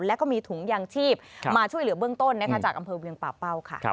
แล้วก็มีถุงยางชีพมาช่วยเหลือเบื้องต้นจากอำเภอเวียงป่าเป้าค่ะ